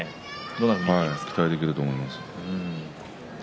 期待できると思います。